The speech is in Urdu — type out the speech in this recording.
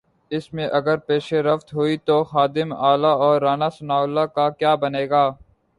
اس میں اگر پیش رفت ہوئی تو خادم اعلی اور رانا ثناء اللہ کا کیا بنے گا؟